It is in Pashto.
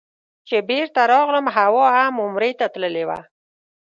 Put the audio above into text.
چې بېرته راغلم حوا هم عمرې ته تللې وه.